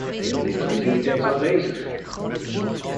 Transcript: En hier zijn ze niet eens aanwezig.